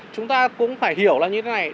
chúng ta cũng phải hiểu là như thế này